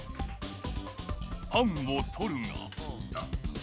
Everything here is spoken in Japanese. パンを取るが。